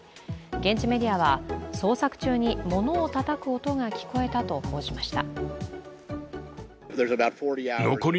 現地メディアは捜索中に、物をたたく音が聞こえたと報じました。